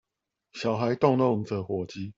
小孩逗弄著火雞